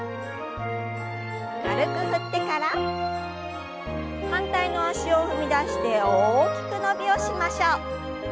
軽く振ってから反対の脚を踏み出して大きく伸びをしましょう。